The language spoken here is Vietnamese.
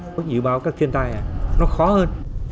các dự báo các thiên tai nó khó hơn